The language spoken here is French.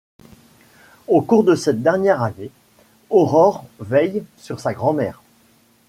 Au cours de cette dernière année, Aurore veille sur sa grand-mère.